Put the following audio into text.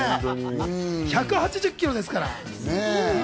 １８０キロですから。